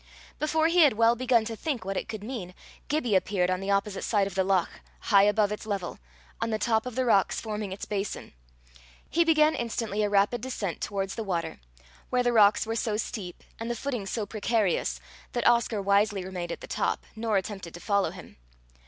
Before he had well begun to think what it could mean, Gibbie appeared on the opposite side of the loch, high above its level, on the top of the rocks forming its basin. He began instantly a rapid descent towards the water, where the rocks were so steep, and the footing so precarious, that Oscar wisely remained at the top, nor attempted to follow him.